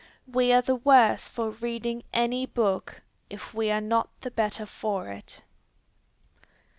We are the worse for reading any book, if we are not the better for it.